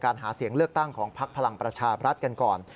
หาเสียงเลือกตั้งของพักพลังประชาบรัฐกันก่อน